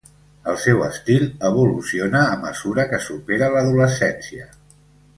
El seu estil evoluciona a mesura que supera l'adolescència.